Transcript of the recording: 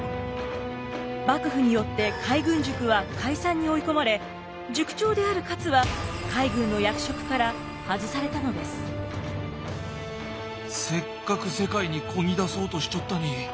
幕府によって海軍塾は解散に追い込まれ塾長である勝はせっかく世界にこぎ出そうとしちょったに。